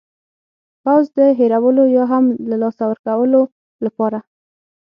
پوځ د هېرولو یا هم له لاسه ورکولو لپاره.